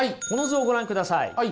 この図をご覧ください。